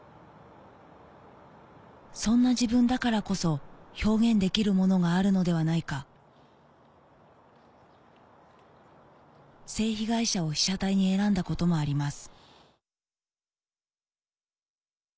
そんな自分だからこそ表現できるものがあるのではないか性被害者を被写体に選んだこともあります